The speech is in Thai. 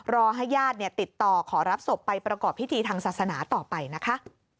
รอให้ญาติติดต่อขอรับศพไปประกอบพิธีทางศาสนาต่อไปนะคะ